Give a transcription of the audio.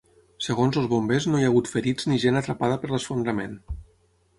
Segons els bombers no hi ha hagut ferits ni gent atrapada per l’esfondrament.